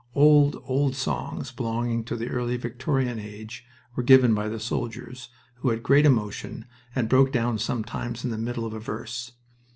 Old, old songs belonging to the early Victorian age were given by the soldiers, who had great emotion and broke down sometimes in the middle of a verse.